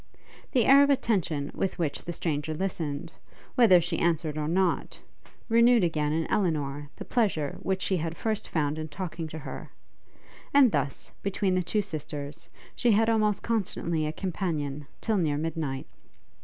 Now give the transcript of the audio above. The air of attention with which the stranger listened, whether she answered or not, renewed again in Elinor the pleasure which she had first found in talking to her; and thus, between the two sisters, she had almost constantly a companion till near midnight.